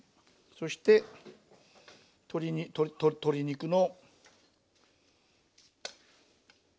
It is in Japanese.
そして鶏肉の。